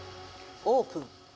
オープン。